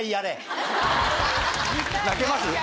泣けます？